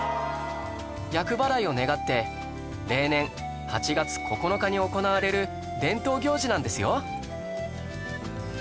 厄払いを願って例年８月９日に行われる伝統行事なんですよ